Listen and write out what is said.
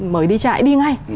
mời đi trại đi ngay